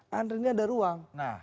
karena ini ada ruang